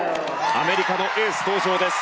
アメリカのエース登場です。